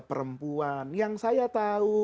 perempuan yang saya tahu